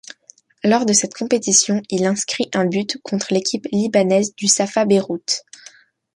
Lors de cette compétition, il inscrit un but contre l'équipe libanaise du Safa Beyrouth.